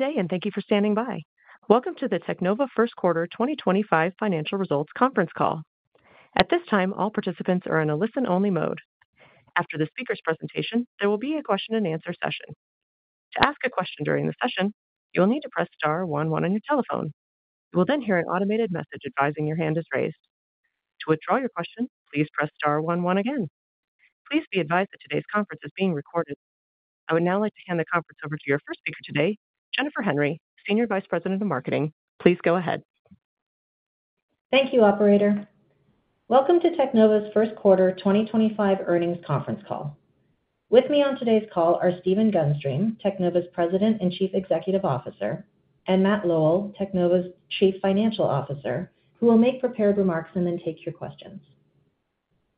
Good day, and thank you for standing by. Welcome to the Teknova First Quarter 2025 Financial Results Conference Call. At this time, all participants are in a listen-only mode. After the speaker's presentation, there will be a question-and-answer session. To ask a question during the session, you will need to press Star one one on your telephone. You will then hear an automated message advising your hand is raised. To withdraw your question, please press Star one one again. Please be advised that today's conference is being recorded. I would now like to hand the conference over to your first speaker today, Jennifer Henry, Senior Vice President of Marketing. Please go ahead. Thank you, Operator. Welcome to Teknova's First Quarter 2025 Earnings Conference Call. With me on today's call are Stephen Gunstream, Teknova's President and Chief Executive Officer, and Matt Lowell, Teknova's Chief Financial Officer, who will make prepared remarks and then take your questions.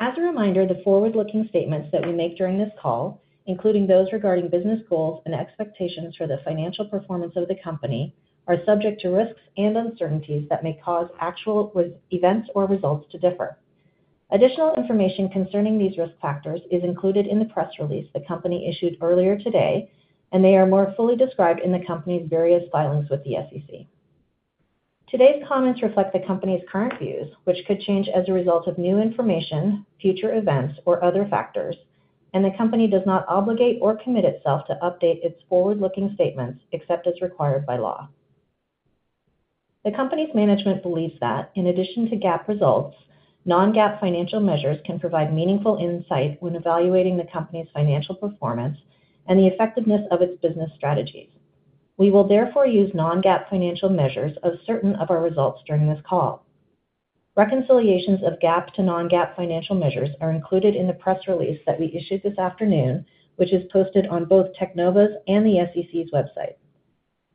As a reminder, the forward-looking statements that we make during this call, including those regarding business goals and expectations for the financial performance of the company, are subject to risks and uncertainties that may cause actual events or results to differ. Additional information concerning these risk factors is included in the press release the company issued earlier today, and they are more fully described in the company's various filings with the SEC. Today's comments reflect the company's current views, which could change as a result of new information, future events, or other factors, and the company does not obligate or commit itself to update its forward-looking statements except as required by law. The company's management believes that, in addition to GAAP results, non-GAAP financial measures can provide meaningful insight when evaluating the company's financial performance and the effectiveness of its business strategies. We will therefore use non-GAAP financial measures of certain of our results during this call. Reconciliations of GAAP to non-GAAP financial measures are included in the press release that we issued this afternoon, which is posted on both Teknova's and the SEC's website.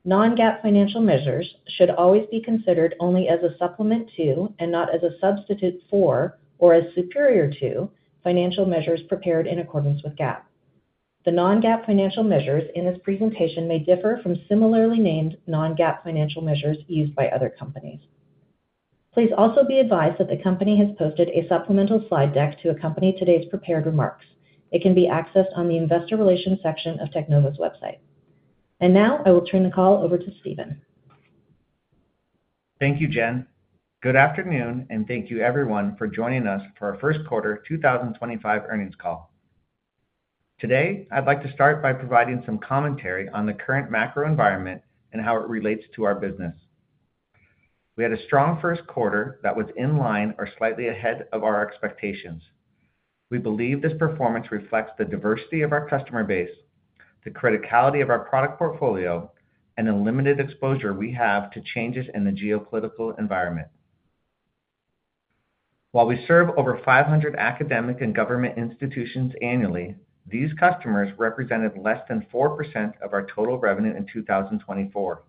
Non-GAAP financial measures should always be considered only as a supplement to, and not as a substitute for, or as superior to, financial measures prepared in accordance with GAAP. The non-GAAP financial measures in this presentation may differ from similarly named non-GAAP financial measures used by other companies. Please also be advised that the company has posted a supplemental slide deck to accompany today's prepared remarks. It can be accessed on the Investor Relations section of Teknova's website. I will turn the call over to Stephen. Thank you, Jen. Good afternoon, and thank you, everyone, for joining us for our First Quarter 2025 Earnings Call. Today, I'd like to start by providing some commentary on the current macro environment and how it relates to our business. We had a strong first quarter that was in line or slightly ahead of our expectations. We believe this performance reflects the diversity of our customer base, the criticality of our product portfolio, and the limited exposure we have to changes in the geopolitical environment. While we serve over 500 academic and government institutions annually, these customers represented less than 4% of our total revenue in 2024.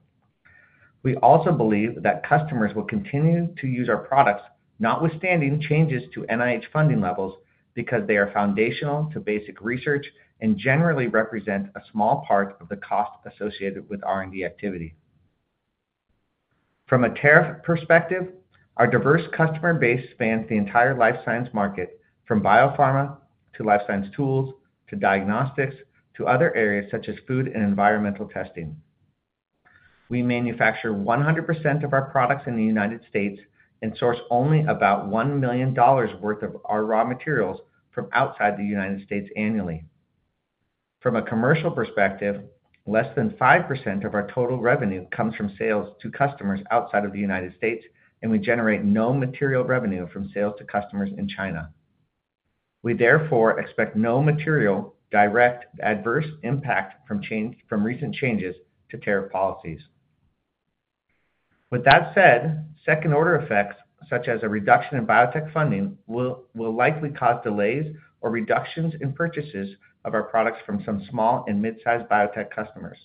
We also believe that customers will continue to use our products, notwithstanding changes to NIH funding levels, because they are foundational to basic research and generally represent a small part of the cost associated with R&D activity. From a tariff perspective, our diverse customer-base spans the entire life science market, from biopharma to life science tools to diagnostics to other areas such as food and environmental testing. We manufacture 100% of our products in the United States and source only about $1 million worth of our raw materials from outside the United States annually. From a commercial perspective, less than 5% of our total revenue comes from sales to customers outside of the United States, and we generate no material revenue from sales to customers in China. We, therefore, expect no material direct adverse impact from recent changes to tariff policies. With that said, second-order effects such as a reduction in biotech funding will likely cause delays or reductions in purchases of our products from some small and mid-sized biotech customers.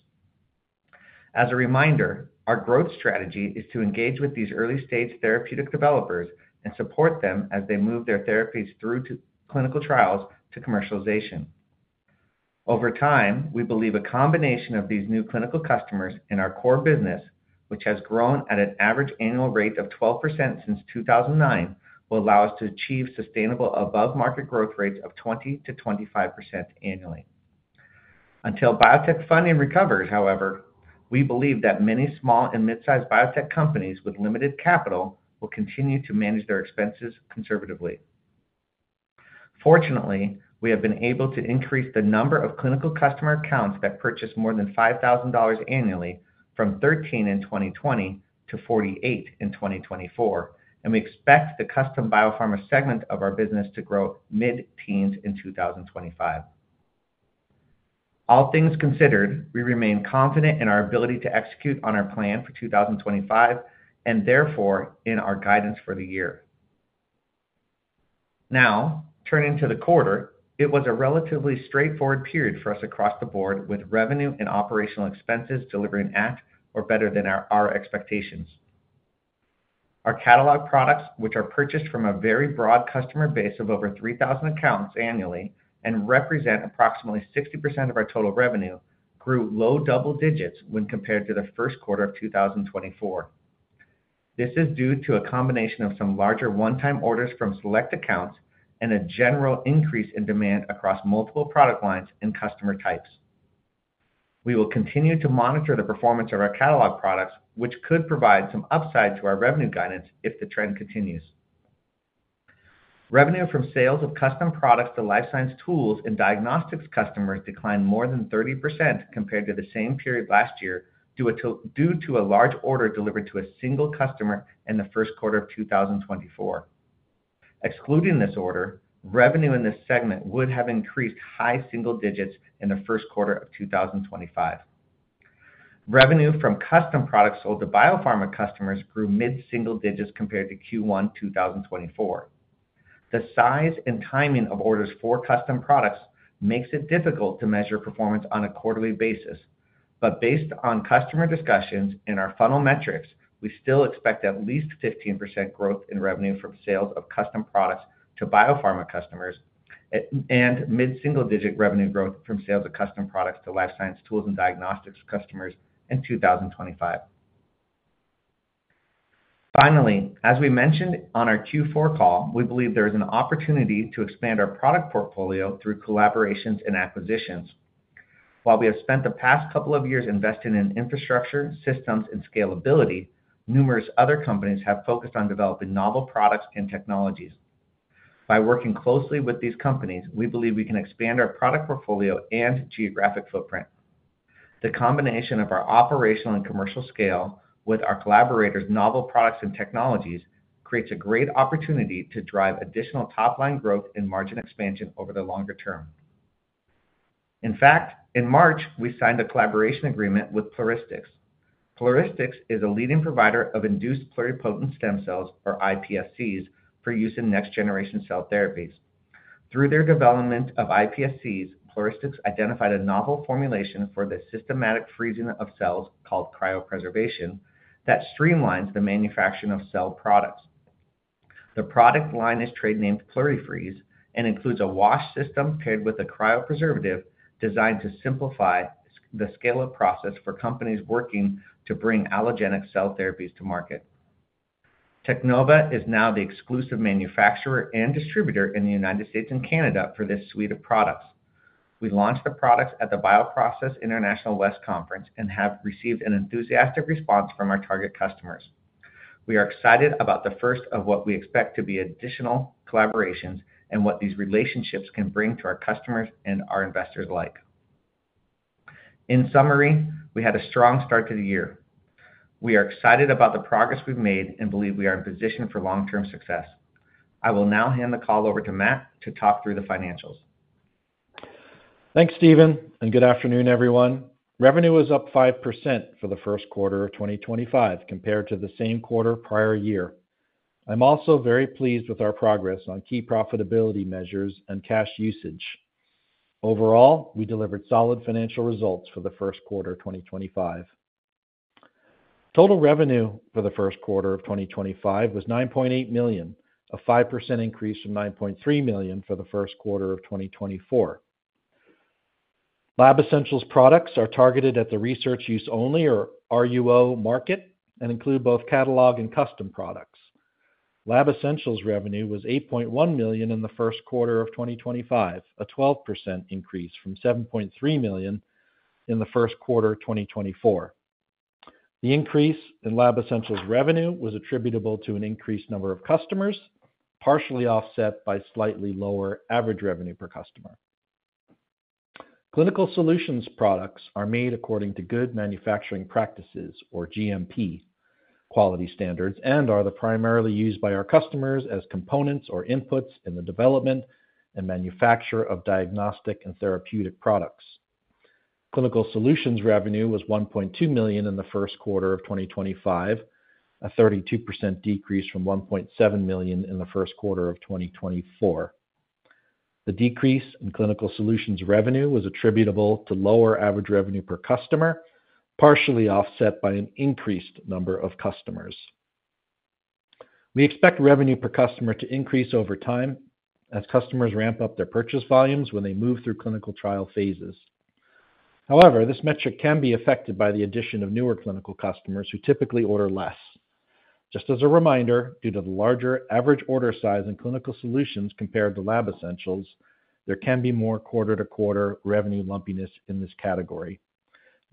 As a reminder, our growth strategy is to engage with these early-stage therapeutic developers and support them as they move their therapies through clinical trials to commercialization. Over time, we believe a combination of these new clinical customers and our core business, which has grown at an average annual rate of 12% since 2009, will allow us to achieve sustainable above-market growth rates of 20%-25% annually. Until biotech funding recovers, however, we believe that many small and mid-sized biotech companies with limited capital will continue to manage their expenses conservatively. Fortunately, we have been able to increase the number of clinical customer accounts that purchase more than $5,000 annually from 13 in 2020 to 48 in 2024, and we expect the custom biopharma segment of our business to grow mid-teens in 2025. All things considered, we remain confident in our ability to execute on our plan for 2025 and, therefore, in our guidance for the year. Now, turning to the quarter, it was a relatively straightforward period for us across the board, with revenue and operational expenses delivering at or better than our expectations. Our catalog products, which are purchased from a very broad customer-base of over 3,000 accounts annually and represent approximately 60% of our total revenue, grew low double digits when compared to the first quarter of 2024. This is due to a combination of some larger one-time orders from select accounts and a general increase in demand across multiple product lines and customer types. We will continue to monitor the performance of our catalog products, which could provide some upside to our revenue guidance if the trend continues. Revenue from sales of custom products to life science tools and diagnostics customers declined more than 30% compared to the same period last year due to a large order delivered to a single customer in the first quarter of 2024. Excluding this order, revenue in this segment would have increased high-single digits in the first quarter of 2025. Revenue from custom products sold to biopharma customers grew mid-single digits compared to Q1 2024. The size and timing of orders for custom products makes it difficult to measure performance on a quarterly basis, but based on customer discussions and our funnel metrics, we still expect at least 15% growth in revenue from sales of custom products to biopharma customers and mid-single digit revenue growth from sales of custom products to life science tools and diagnostics customers in 2025. Finally, as we mentioned on our Q4 call, we believe there is an opportunity to expand our product portfolio through collaborations and acquisitions. While we have spent the past couple of years investing in infrastructure, systems, and scalability, numerous other companies have focused on developing novel products and technologies. By working closely with these companies, we believe we can expand our product portfolio and geographic footprint. The combination of our operational and commercial scale with our collaborators' novel products and technologies creates a great opportunity to drive additional top-line growth and margin expansion over the longer term. In fact, in March, we signed a collaboration agreement with Pluristyx. Pluristyx is a leading provider of induced pluripotent stem cells, or iPSCs, for use in next-generation cell therapies. Through their development of iPSCs, Pluristyx identified a novel formulation for the systematic freezing of cells called cryopreservation that streamlines the manufacturing of cell products. The product line is trade-named PluriFreeze and includes a wash system paired with a cryopreservative designed to simplify the scale-up process for companies working to bring allogeneic cell therapies to market. Teknova is now the exclusive manufacturer and distributor in the United States and Canada for this suite of products. We launched the products at the BioProcess International West Conference and have received an enthusiastic response from our target customers. We are excited about the first of what we expect to be additional collaborations and what these relationships can bring to our customers and our investors alike. In summary, we had a strong start to the year. We are excited about the progress we've made and believe we are in position for long-term success. I will now hand the call over to Matt to talk through the financials. Thanks, Stephen, and good afternoon, everyone. Revenue was up 5% for the first quarter of 2025 compared to the same quarter prior year. I'm also very pleased with our progress on key profitability measures and cash usage. Overall, we delivered solid financial results for the first quarter of 2025. Total revenue for the first quarter of 2025 was $9.8 million, a 5% increase from $9.3 million for the first quarter of 2024. Lab Essentials products are targeted at the research use-only or RUO market and include both catalog and custom products. Lab Essentials revenue was $8.1 million in the first quarter of 2025, a 12% increase from $7.3 million in the first quarter of 2024. The increase in Lab Essentials revenue was attributable to an increased number of customers, partially offset by slightly lower average revenue per customer. Clinical solutions products are made according to good manufacturing practices, or GMP, quality standards and are primarily used by our customers as components or inputs in the development and manufacture of diagnostic and therapeutic products. Clinical solutions revenue was $1.2 million in the first quarter of 2025, a 32% decrease from $1.7 million in the first quarter of 2024. The decrease in clinical solutions revenue was attributable to lower average revenue per customer, partially offset by an increased number of customers. We expect revenue per customer to increase over time as customers ramp up their purchase volumes when they move through clinical trial phases. However, this metric can be affected by the addition of newer clinical customers who typically order less. Just as a reminder, due to the larger average order size in clinical solutions compared to Lab Essentials, there can be more quarter-to-quarter revenue lumpiness in this category.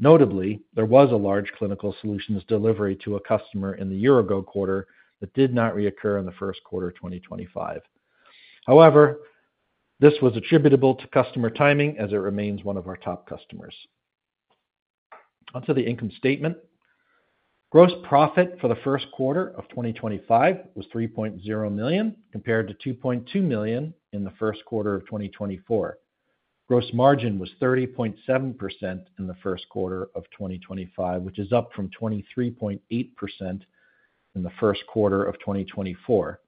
Notably, there was a large Clinical Solutions delivery to a customer in the year-ago quarter that did not reoccur in the first quarter of 2025. However, this was attributable to customer timing as it remains one of our top customers. Onto the income statement. Gross profit for the first quarter of 2025 was $3.0 million compared to $2.2 million in the first quarter of 2024. Gross margin was 30.7% in the first quarter of 2025, which is up from 23.8% in the first quarter of 2024.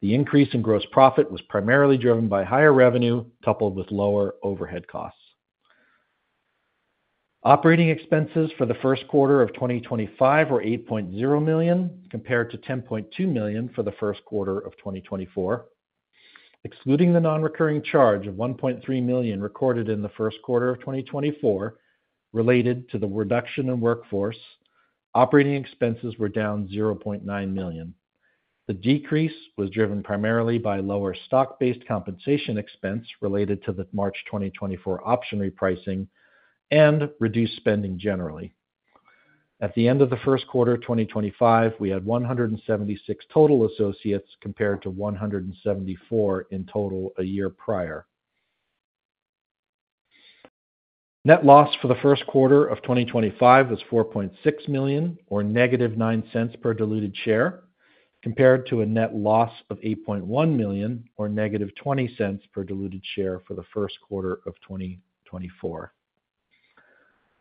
The increase in gross profit was primarily driven by higher revenue coupled with lower overhead costs. Operating expenses for the first quarter of 2025 were $8.0 million compared to $10.2 million for the first quarter of 2024. Excluding the non-recurring charge of $1.3 million recorded in the first quarter of 2024 related to the reduction in workforce, operating expenses were down $0.9 million. The decrease was driven primarily by lower stock-based compensation expense related to the March 2024 option repricing and reduced spending generally. At the end of the first quarter of 2025, we had 176 total associates compared to 174 in total a year prior. Net loss for the first quarter of 2025 was $4.6 million, or $-0.09 per diluted share, compared to a net loss of $8.1 million, or $-0.20 per diluted share for the first quarter of 2024.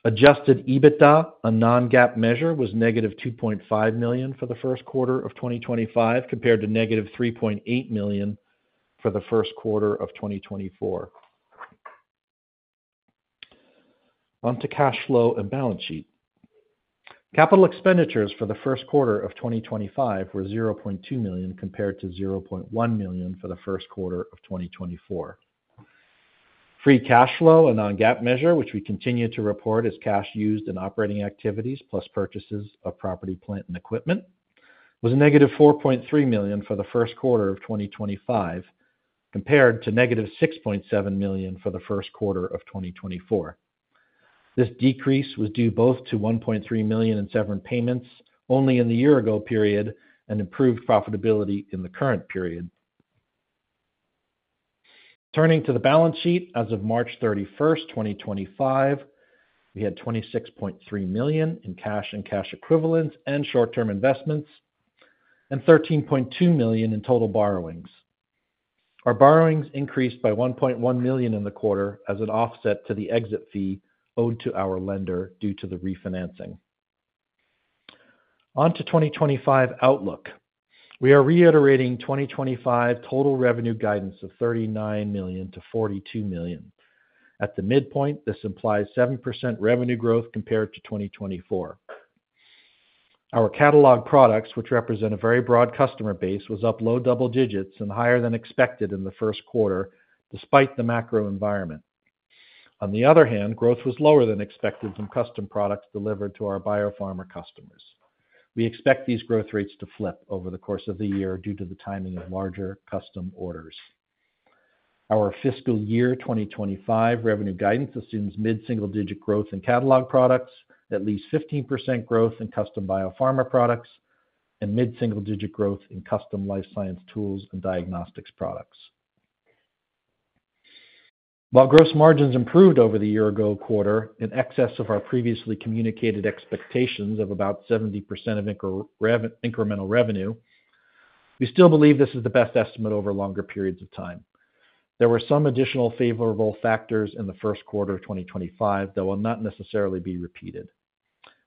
Adjusted EBITDA, a non-GAAP measure, was $-2.5 million for the first quarter of 2025 compared to $-3.8 million for the first quarter of 2024. Onto cash flow and balance sheet. Capital expenditures for the first quarter of 2025 were $0.2 million compared to $0.1 million for the first quarter of 2024. Free cash flow, a non-GAAP measure, which we continue to report as cash used in operating activities plus purchases of property, plant, and equipment, was $-4.3 million for the first quarter of 2025 compared to $-6.7 million for the first quarter of 2024. This decrease was due both to $1.3 million in severance payments only in the year-ago period and improved profitability in the current period. Turning to the balance sheet, as of March 31, 2025, we had $26.3 million in cash and cash equivalents and short-term investments and $13.2 million in total borrowings. Our borrowings increased by $1.1 million in the quarter as an offset to the exit fee owed to our lender due to the refinancing. Onto 2025 outlook. We are reiterating 2025 total revenue guidance of $39 million-$42 million. At the midpoint, this implies 7% revenue growth compared to 2024. Our catalog products, which represent a very broad customer-base, were up low-double digits and higher than expected in the first quarter despite the macro environment. On the other hand, growth was lower than expected from custom products delivered to our biopharma customers. We expect these growth rates to flip over the course of the year due to the timing of larger custom orders. Our fiscal year 2025 revenue guidance assumes mid-single digit growth in catalog products, at least 15% growth in custom biopharma products, and mid-single digit growth in custom life science tools and diagnostics products. While gross margins improved over the year-ago quarter in excess of our previously communicated expectations of about 70% of incremental revenue, we still believe this is the best estimate over longer periods of time. There were some additional favorable factors in the first quarter of 2025 that will not necessarily be repeated.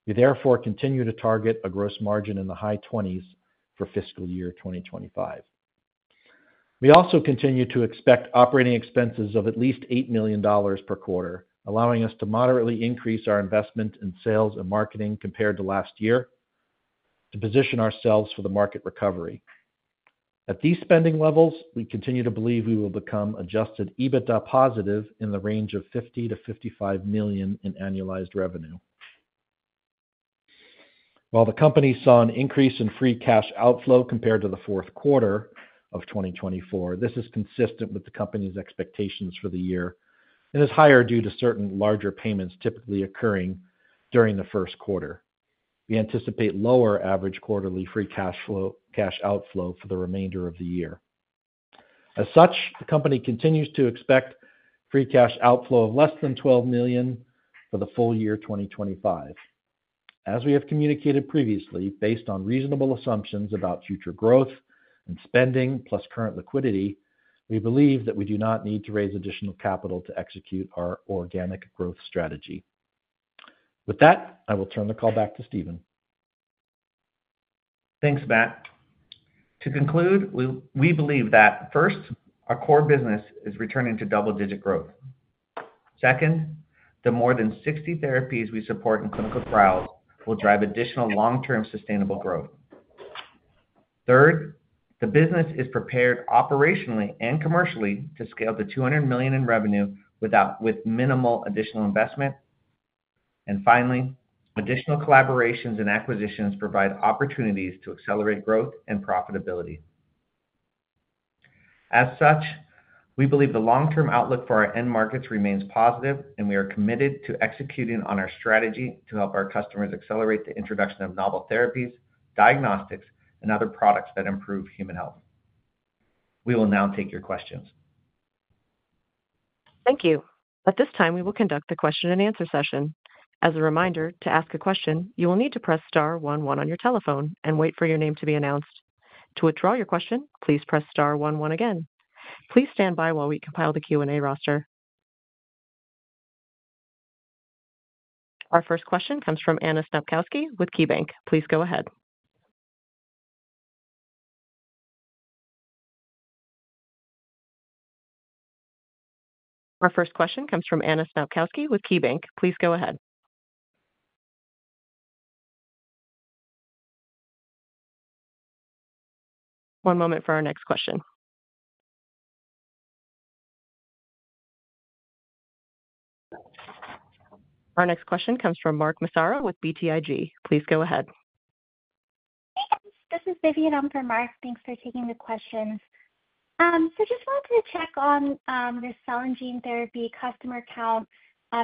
We, therefore, continue to target a gross margin in the high 20s for fiscal year 2025. We also continue to expect operating expenses of at least $8 million per quarter, allowing us to moderately increase our investment in sales and marketing compared to last year to position ourselves for the market recovery. At these spending levels, we continue to believe we will become adjusted EBITDA positive in the range of $50-$55 million in annualized revenue. While the company saw an increase in free cash outflow compared to the fourth quarter of 2024, this is consistent with the company's expectations for the year and is higher due to certain larger payments typically occurring during the first quarter. We anticipate lower average quarterly free cash outflow for the remainder of the year. As such, the company continues to expect free cash outflow of less than $12 million for the full year 2025. As we have communicated previously, based on reasonable assumptions about future growth and spending plus current liquidity, we believe that we do not need to raise additional capital to execute our organic growth strategy. With that, I will turn the call back to Stephen. Thanks, Matt. To conclude, we believe that, first, our core business is returning to double-digit growth. Second, the more than 60 therapies we support in clinical trials will drive additional long-term sustainable growth. Third, the business is prepared operationally and commercially to scale to $200 million in revenue with minimal additional investment. Finally, additional collaborations and acquisitions provide opportunities to accelerate growth and profitability. As such, we believe the long-term outlook for our end markets remains positive, and we are committed to executing on our strategy to help our customers accelerate the introduction of novel therapies, diagnostics, and other products that improve human health. We will now take your questions. Thank you. At this time, we will conduct the question-and-answer session. As a reminder, to ask a question, you will need to press Star one one on your telephone and wait for your name to be announced. To withdraw your question, please press Star one one again. Please stand by while we compile the Q&A roster. Our first question comes from Anna Snopkowski with KeyBanc. Please go ahead. One moment for our next question. Our next question comes from Mark Massaro with BTIG. Please go ahead. Hey, guys. This is Vivian Bais. Thanks for taking the questions. Just wanted to check on the cell and gene therapy customer count.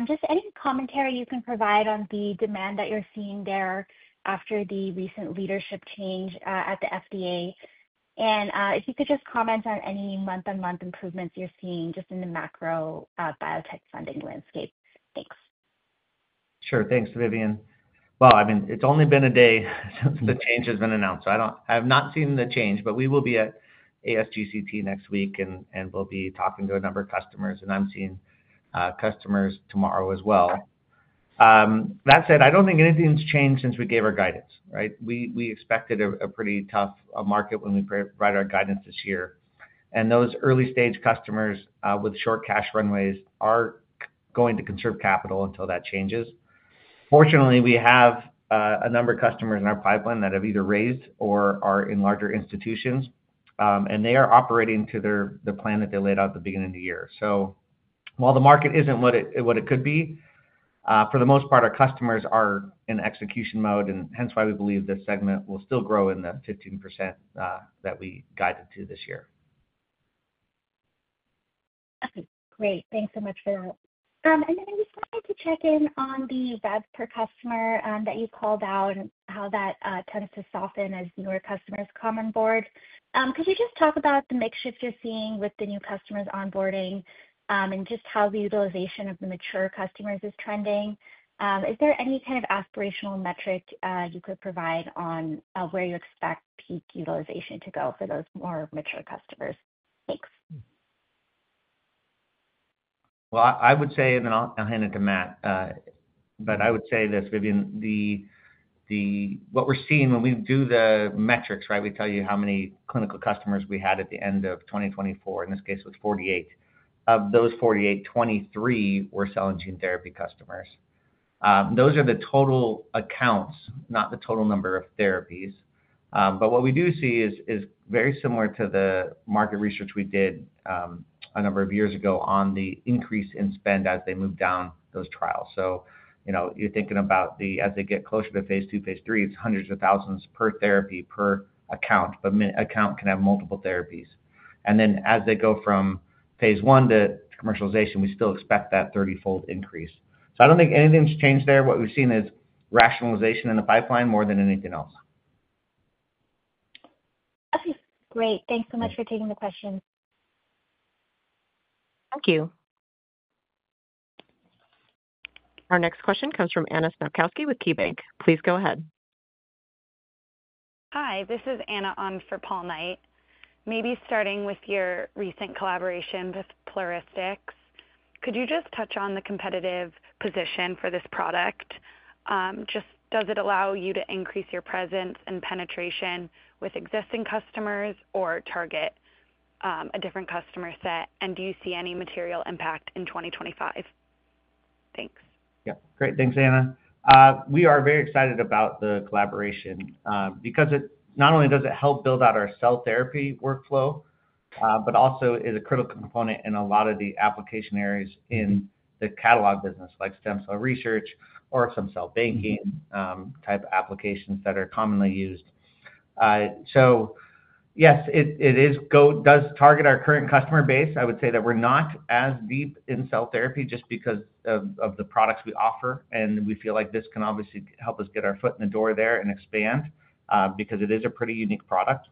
Just any commentary you can provide on the demand that you're seeing there after the recent leadership change at the FDA. If you could just comment on any month-on-month improvements you're seeing just in the macro biotech funding landscape. Thanks. Sure. Thanks, Vivian. I mean, it's only been a day since the change has been announced. I have not seen the change, but we will be at ASGCT next week, and we'll be talking to a number of customers, and I'm seeing customers tomorrow as well. That said, I don't think anything's changed since we gave our guidance, right? We expected a pretty tough market when we provided our guidance this year. Those early-stage customers with short cash runways are going to conserve capital until that changes. Fortunately, we have a number of customers in our pipeline that have either raised or are in larger institutions, and they are operating to the plan that they laid out at the beginning of the year. While the market isn't what it could be, for the most part, our customers are in execution mode, and hence why we believe this segment will still grow in the 15% that we guided to this year. Okay. Great. Thanks so much for that. I just wanted to check in on the VAD per customer that you called out and how that tends to soften as newer customers come on board. Could you just talk about the makeshift you're seeing with the new customers onboarding and just how the utilization of the mature customers is trending? Is there any kind of aspirational metric you could provide on where you expect peak utilization to go for those more mature customers? Thanks. I would say, and then I'll hand it to Matt, but I would say this, Vivian. What we're seeing when we do the metrics, right? We tell you how many clinical customers we had at the end of 2024. In this case, it was 48. Of those 48, 23 were cell and gene therapy customers. Those are the total accounts, not the total number of therapies. What we do see is very similar to the market research we did a number of years ago on the increase in spend as they move down those trials. You're thinking about as they get closer to phase II, phase III, it's hundreds of thousands per therapy per account, but account can have multiple therapies. As they go from phase one to commercialization, we still expect that 30-fold increase. I do not think anything's changed there. What we've seen is rationalization in the pipeline more than anything else. Okay. Great. Thanks so much for taking the questions. Thank you. Our next question comes from Anna Snopkowski with KeyBanc. Please go ahead. Hi. This is Anna Snopkowsi for Paul Knight. Maybe starting with your recent collaboration with Pluristyx. Could you just touch on the competitive position for this product? Just does it allow you to increase your presence and penetration with existing customers or target a different customer set? And do you see any material impact in 2025? Thanks. Yeah. Great. Thanks, Anna. We are very excited about the collaboration because not only does it help build out our cell therapy workflow, but also is a critical component in a lot of the application areas in the catalog business, like stem cell research or some cell banking type applications that are commonly used. Yes, it does target our current customer-base. I would say that we're not as deep in cell therapy just because of the products we offer, and we feel like this can obviously help us get our foot in the door there and expand because it is a pretty unique product.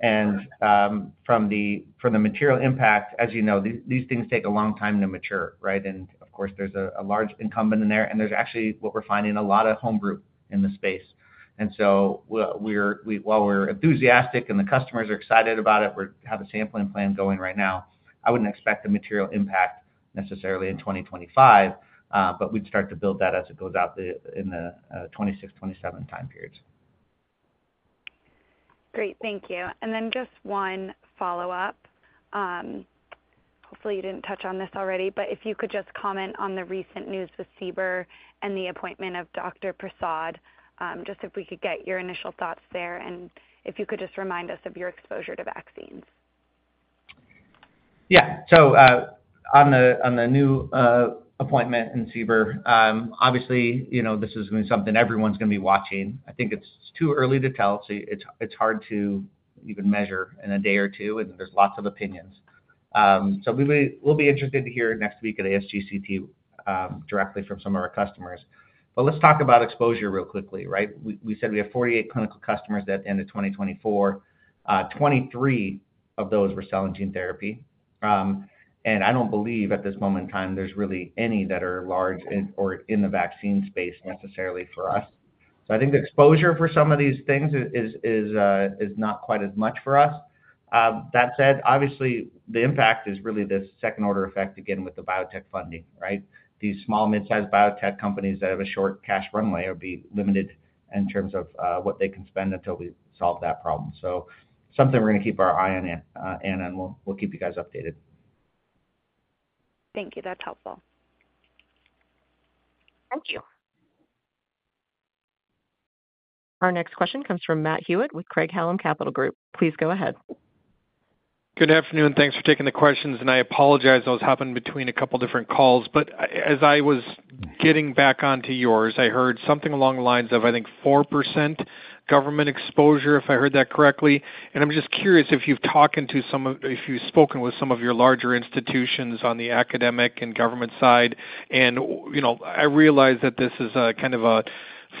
From the material impact, as you know, these things take a long time to mature, right? Of course, there's a large incumbent in there, and there's actually what we're finding a lot of home group in the space. While we're enthusiastic and the customers are excited about it, we have a sampling plan going right now. I wouldn't expect a material impact necessarily in 2025, but we'd start to build that as it goes out in the 2026, 2027 time periods. Great. Thank you. Just one follow-up. Hopefully, you did not touch on this already, but if you could just comment on the recent news with CBER and the appointment of Dr. Prasad, just if we could get your initial thoughts there and if you could just remind us of your exposure to vaccines. Yeah. On the new appointment in CBER, obviously, this is going to be something everyone's going to be watching. I think it's too early to tell. It's hard to even measure in a day or two, and there's lots of opinions. We'll be interested to hear next week at ASGCT directly from some of our customers. Let's talk about exposure real quickly, right? We said we have 48 clinical customers at the end of 2024. Twenty-three of those were cell and gene therapy. I don't believe at this moment in time there's really any that are large or in the vaccine space necessarily for us. I think the exposure for some of these things is not quite as much for us. That said, obviously, the impact is really this second-order effect again with the biotech funding, right? These small, mid-sized biotech companies that have a short cash runway or be limited in terms of what they can spend until we solve that problem. That is something we are going to keep our eye on, Anna, and we will keep you guys updated. Thank you. That's helpful. Thank you. Our next question comes from Matt Hewitt with Craig-Hallum Capital Group. Please go ahead. Good afternoon. Thanks for taking the questions. I apologize. I was hopping between a couple of different calls. As I was getting back onto yours, I heard something along the lines of, I think, 4% government exposure, if I heard that correctly. I'm just curious if you've talked to some of, if you've spoken with some of your larger institutions on the academic and government side. I realize that this is kind of a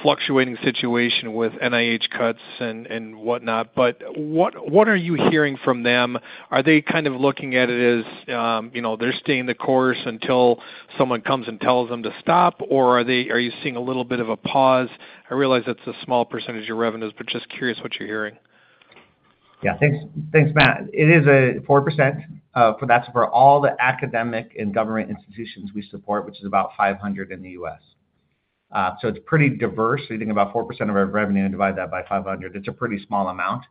fluctuating situation with NIH cuts and whatnot, but what are you hearing from them? Are they kind of looking at it as they're staying the course until someone comes and tells them to stop, or are you seeing a little bit of a pause? I realize that's a small percentage of revenues, but just curious what you're hearing. Yeah. Thanks, Matt. It is a 4%. That's for all the academic and government institutions we support, which is about 500 in the U.S. So it's pretty diverse. You think about 4% of our revenue and divide that by 500. It's a pretty small amount.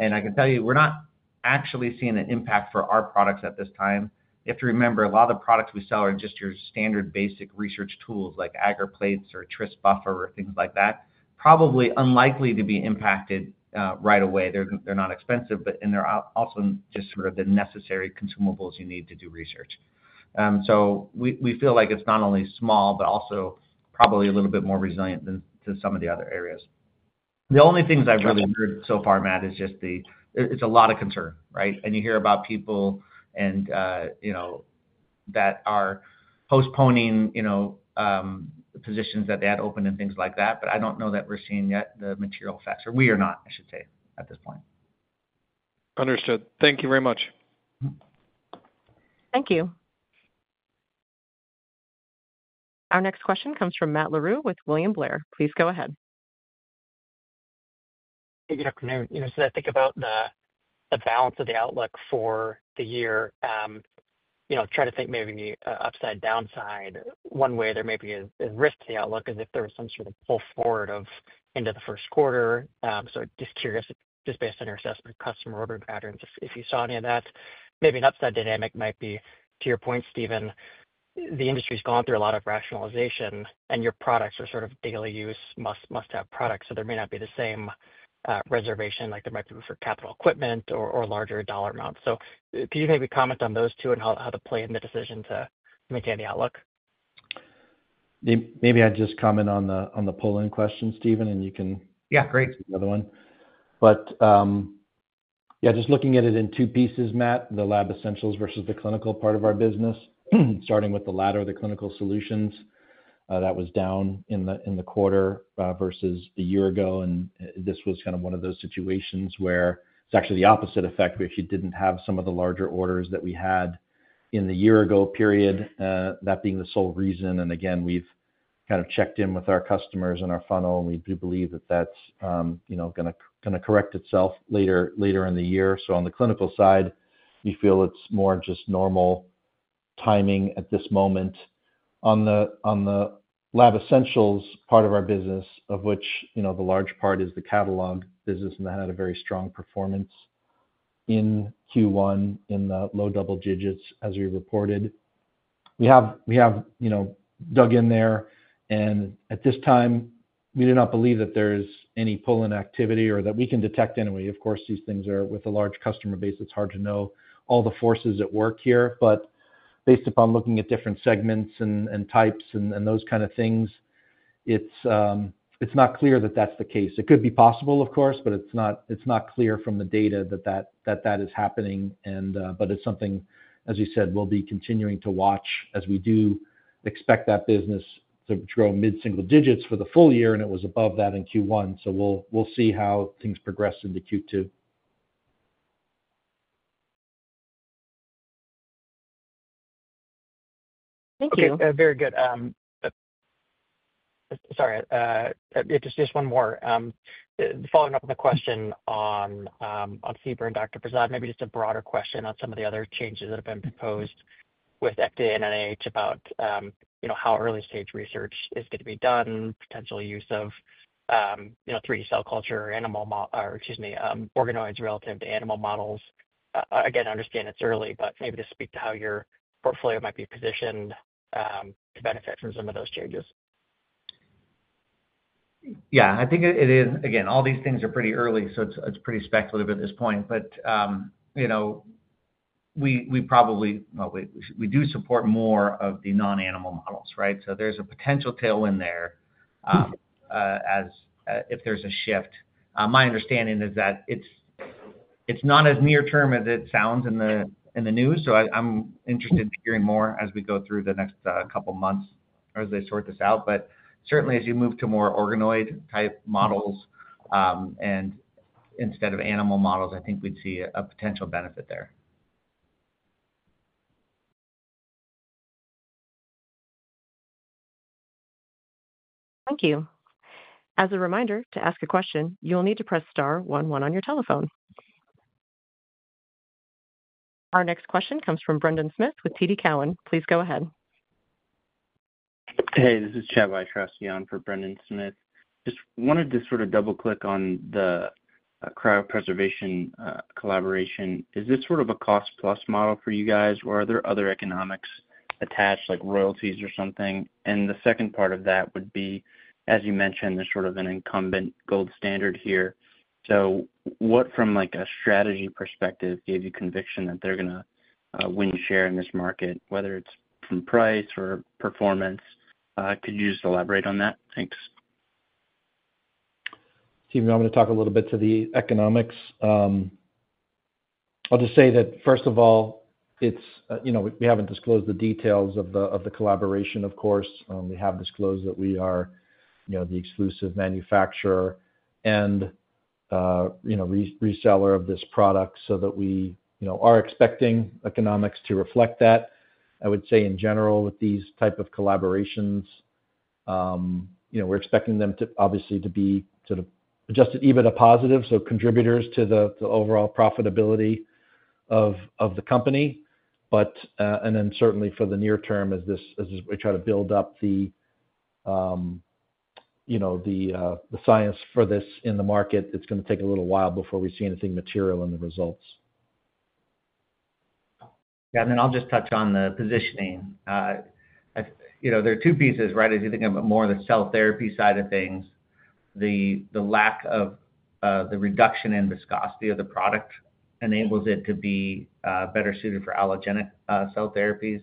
I can tell you we're not actually seeing an impact for our products at this time. If you have to remember, a lot of the products we sell are just your standard basic research tools like agar plates or Tris buffer or things like that. Probably unlikely to be impacted right away. They're not expensive, but they're also just sort of the necessary consumables you need to do research. We feel like it's not only small, but also probably a little bit more resilient than some of the other areas. The only things I've really heard so far, Matt, is just it's a lot of concern, right? And you hear about people that are postponing positions that they had open and things like that, but I don't know that we're seeing yet the material effects. Or we are not, I should say, at this point. Understood. Thank you very much. Thank you. Our next question comes from Matt Larew with William Blair. Please go ahead. Hey, good afternoon. I think about the balance of the outlook for the year. Try to think maybe upside, downside. One way there may be a risk to the outlook is if there was some sort of pull forward into the first quarter. Just curious, based on your assessment of customer ordering patterns, if you saw any of that. Maybe an upside dynamic might be, to your point, Stephen, the industry's gone through a lot of rationalization, and your products are sort of daily use must-have products. There may not be the same reservation like there might be for capital equipment or larger dollar amounts. Could you maybe comment on those two and how they play in the decision to maintain the outlook? Maybe I'd just comment on the polling question, Stephen, and you can answer another one. Yeah, just looking at it in two pieces, Matt, the Lab Essentials versus the clinical part of our business, starting with the latter, the Clinical Solutions, that was down in the quarter versus a year ago. This was kind of one of those situations where it's actually the opposite effect where you didn't have some of the larger orders that we had in the year ago period, that being the sole reason. Again, we've kind of checked in with our customers and our funnel, and we do believe that that's going to correct itself later in the year. On the clinical side, we feel it's more just normal timing at this moment. On the Lab Essentials part of our business, of which the large part is the catalog business, and that had a very strong performance in Q1 in the low-double digits, as we reported. We have dug in there, and at this time, we do not believe that there's any pulling activity or that we can detect anyway. Of course, these things are with a large customer-base. It's hard to know all the forces at work here. But based upon looking at different segments and types and those kind of things, it's not clear that that's the case. It could be possible, of course, but it's not clear from the data that that is happening. But it's something, as you said, we'll be continuing to watch as we do expect that business to grow mid-single digits for the full year, and it was above that in Q1. We'll see how things progress into Q2. Thank you. Okay. Very good. Sorry. Just one more. Following up on the question on CBER and Dr. Prasad, maybe just a broader question on some of the other changes that have been proposed with ECDA and NIH about how early-stage research is going to be done, potential use of 3D cell culture or organoids relative to animal models. Again, I understand it's early, but maybe to speak to how your portfolio might be positioned to benefit from some of those changes. Yeah. I think it is. Again, all these things are pretty early, so it's pretty speculative at this point. We probably do support more of the non-animal models, right? There's a potential tailwind there if there's a shift. My understanding is that it's not as near-term as it sounds in the news. I'm interested in hearing more as we go through the next couple of months or as they sort this out. Certainly, as you move to more organoid-type models and instead of animal models, I think we'd see a potential benefit there. Thank you. As a reminder to ask a question, you will need to press Star one oneon your telephone. Our next question comes from Brendan Smith with TD Cowen. Please go ahead. Hey, this is Chad Wiatrowski for Brendan Smith. Just wanted to sort of double-click on the cryopreservation collaboration. Is this sort of a cost-plus model for you guys, or are there other economics attached like royalties or something? The second part of that would be, as you mentioned, there's sort of an incumbent gold standard here. What, from a strategy perspective, gave you conviction that they're going to win share in this market, whether it's from price or performance? Could you just elaborate on that? Thanks. Stephen, I'm going to talk a little bit to the economics. I'll just say that, first of all, we haven't disclosed the details of the collaboration, of course. We have disclosed that we are the exclusive manufacturer and reseller of this product so that we are expecting economics to reflect that. I would say, in general, with these types of collaborations, we're expecting them to, obviously, be sort of adjusted EBITDA positive, so contributors to the overall profitability of the company. Certainly, for the near term, as we try to build up the science for this in the market, it's going to take a little while before we see anything material in the results. Yeah. I'll just touch on the positioning. There are two pieces, right? As you think about more of the cell therapy side of things, the lack of the reduction in viscosity of the product enables it to be better suited for allogeneic cell therapies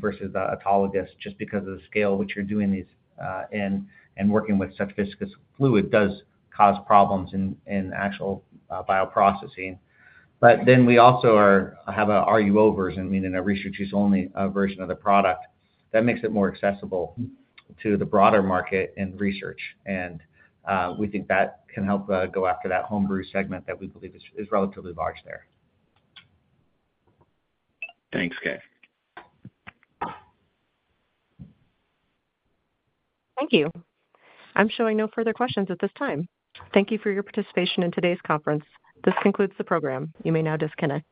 versus autologous just because of the scale which you're doing these in. Working with such viscous fluid does cause problems in actual bioprocessing. We also have an RUO version, meaning a research-use-only version of the product that makes it more accessible to the broader market and research. We think that can help go after that home-brew segment that we believe is relatively large there. Thank you. Thank you. I'm showing no further questions at this time. Thank you for your participation in today's conference. This concludes the program. You may now disconnect.